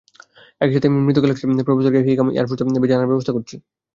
একই সাথে মৃত গ্যালাক্সির প্রফেসরকে হিক্যাম এয়ারফোর্স বেজে আনার ব্যবস্থা করছি।